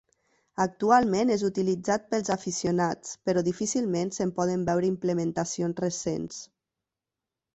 Actualment és utilitzat pels aficionats, però difícilment se'n poden veure implementacions recents.